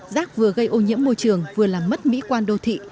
rác vừa gây ô nhiễm môi trường vừa làm mất mỹ quan đô thị